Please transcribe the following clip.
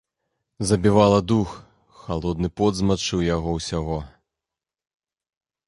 Забівала дух, халодны пот змачыў яго ўсяго.